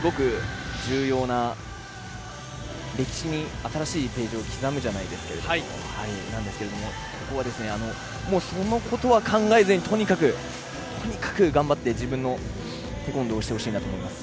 歴史に新しいページを刻むじゃないですけどもう、そのことは考えずにとにかく頑張って自分のテコンドーをしてほしいなと思います。